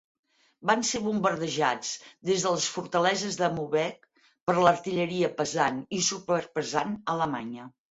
Van ser bombardejats des de les fortaleses de Maubeuge per l'artilleria pesant i superpesant alemanya.